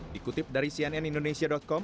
dikutip dari cnn indonesia com